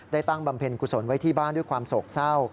ตั้งบำเพ็ญกุศลไว้ที่บ้านด้วยความโศกเศร้า